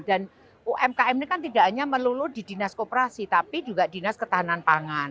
dan umkm ini kan tidak hanya melulu di dinas kooperasi tapi juga dinas ketahanan pangan